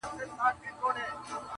o ماښام درېږي نه، سهار گډېږي نه!